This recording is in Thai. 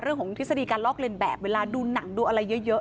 ทฤษฎีการลอกเลียนแบบเวลาดูหนังดูอะไรเยอะ